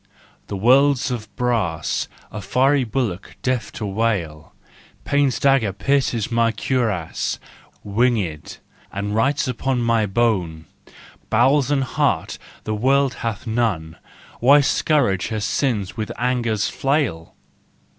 '' The world's of brass, A fiery bullock, deaf to wail: Pain's dagger pierces my cuirass, Wing6d, and writes upon my bone: " Bowels and heart the world hath none, Why scourge her sins with anger's flail